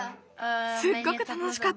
すっごくたのしかった。